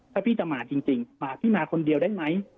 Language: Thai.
ถ้าพี่จะมาจริงพี่มาคนเดียวได้ไหม